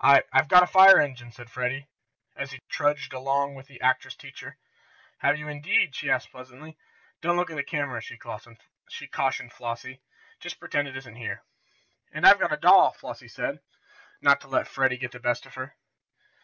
"I I've got a fire engine!" said Freddie, as he trudged along with the actress teacher. "Have you, indeed?" she asked pleasantly. "Don't look at the camera," she cautioned Flossie. "Just pretend it isn't there." "And I've got a doll!" Flossie said, not to let Freddie get the best of her.